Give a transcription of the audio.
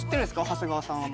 長谷川さんは。